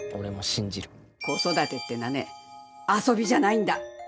子育てってのはね遊びじゃないんだ。